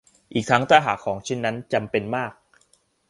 อีกทั้งถ้าหากของชิ้นนั้นจำเป็นมาก